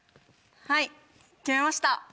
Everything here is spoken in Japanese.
はい決めました。